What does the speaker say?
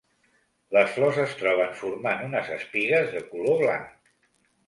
Les flors es troben formant unes espigues de color blanc.